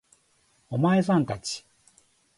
お前さん達